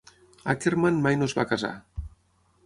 Ackermann mai no es va casar.